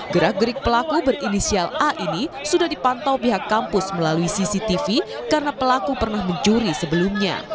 gerak gerik pelaku berinisial a ini sudah dipantau pihak kampus melalui cctv karena pelaku pernah mencuri sebelumnya